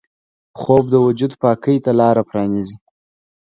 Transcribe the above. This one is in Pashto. خوب د وجود پاکۍ ته لاره پرانیزي